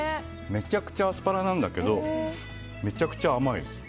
めちゃくちゃアスパラなんだけどめちゃくちゃ甘いです。